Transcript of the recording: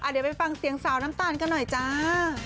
เดี๋ยวไปฟังเสียงสาวน้ำตาลกันหน่อยจ้า